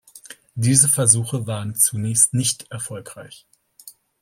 Diese Versuche waren zunächst nicht erfolgreich.